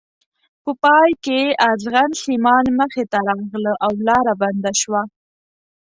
په پای کې ازغن سیمان مخې ته راغله او لاره بنده شوه.